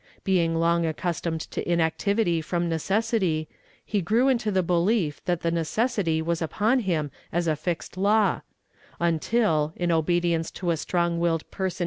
Being long accustomed to inactivity from necessity, he grew into the be lief that the necessity was upon him as a fixed law ; until, in obedience to a strong willed person "THEY OPENED TFTEIR MOUTH.